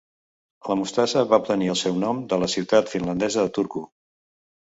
La mostassa va obtenir el seu nom de la ciutat finlandesa de Turku.